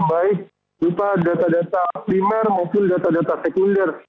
baik berupa data data primer maupun data data sekunder